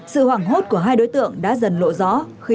sự hoảng hốt của hai đối tượng đã dần lộ rõ